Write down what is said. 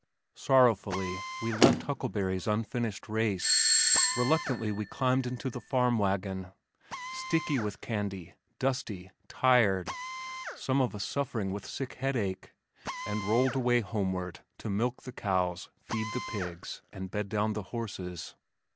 Sorrowfully we left Huckleberry's unfinished race, reluctantly we climbed into the farm wagon, sticky with candy, dusty, tired, some of us suffering with sick headache, and rolled away homeward to milk the cows, feed the pigs and bed down the horses.